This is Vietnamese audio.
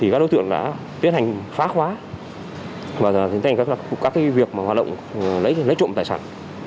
các đối tượng đã tiến hành phá khóa và tiến thành các việc hoạt động lấy trộm tài sản